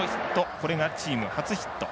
これがチーム初ヒット。